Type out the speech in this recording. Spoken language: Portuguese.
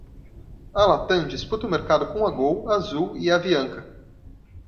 A Latam disputa o mercado com a Gol, a Azul e a Avianca.